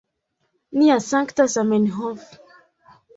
Nia sankta Zamenhof